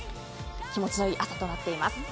気持ちのいい朝となっています。